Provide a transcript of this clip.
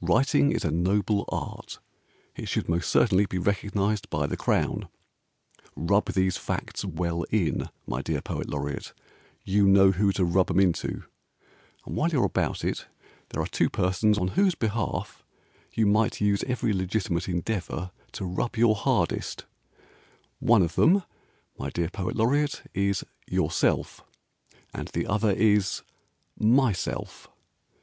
WRITING IS A NOBLE ART, IT SHOULD MOST CERTAINLY BE RECOGNISED BY THE CROWN. Rub these facts well in, my dear Poet Laureate (You know who to rub 'em into); And while you are about it, There are two persons On whose behalf You might use every legitimate endeavour To rub your hardest One of them, my dear Poet Laureate, is YOURSELF And the other is MYSELF.